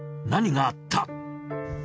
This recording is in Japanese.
何があった？